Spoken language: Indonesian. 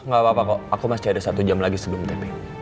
gak apa apa kok aku masih ada satu jam lagi sebelum tpu